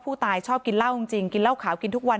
ชอบกินเหล้าจริงกินเหล้าขาวกินทุกวัน